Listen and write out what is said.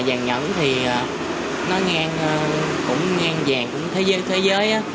vàng nhẫn thì nó ngang cũng ngang vàng cũng thế giới thế giới á